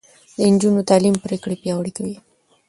د نجونو تعليم پرېکړې پياوړې کوي.